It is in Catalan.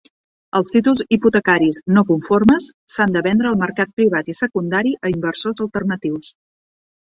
Els títols hipotecaris "no conformes" s'han de vendre al mercat privat i secundari a inversors alternatius.